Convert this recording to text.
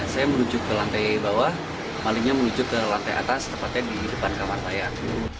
saya menuju ke lantai bawah malingnya menuju ke lantai atas tepatnya di depan kamar mayat